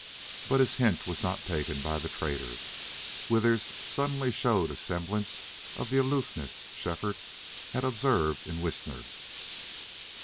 But his hint was not taken by the trader. Withers suddenly showed a semblance of the aloofness Shefford had observed in Whisner.